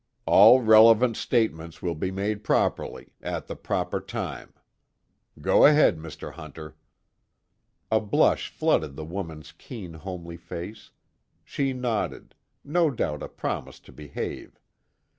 All relevant statements will be made properly, at the proper time. Go ahead, Mr. Hunter." A blush flooded the woman's keen homely face; she nodded, no doubt a promise to behave.